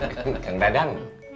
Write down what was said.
kan kang dadang